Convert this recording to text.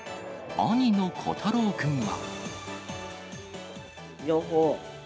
兄の瑚太郎君は。